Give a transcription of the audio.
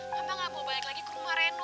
mama gak mau balik lagi ke rumah reno